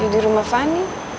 di rumah fani